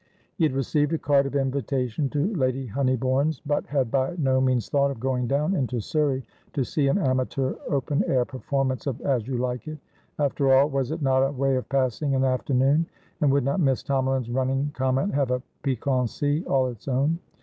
He had received a card of invitation to Lady Honeybourne's, but had by no means thought of going down into Surrey to see an amateur open air performance of "As You Like It." After all, was it not a way of passing an afternoon? And would not Miss Tomalin's running comment have a piquancy all its own?